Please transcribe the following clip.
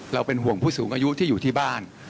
เป็นห่วงผู้สูงอายุที่อยู่ที่บ้าน